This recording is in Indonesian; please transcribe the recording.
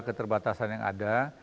keterbatasan yang ada